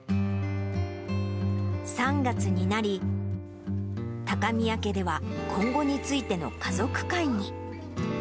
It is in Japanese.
３月になり、高宮家では今後についての家族会議。